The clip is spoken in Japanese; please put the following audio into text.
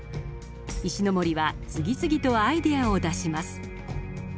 石森は次々とアイデアを出します。